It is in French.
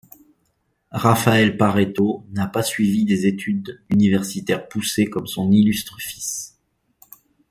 Raphaël Pareto n'a pas suivi des études universitaires poussées comme son illustre fils.